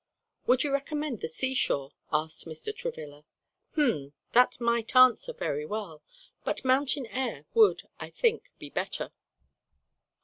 "Would you recommend the seashore?" asked Mr. Travilla. "H'm! that might answer very well, but mountain air would, I think, be better."